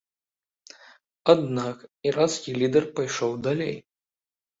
Аднак іранскі лідэр пайшоў далей.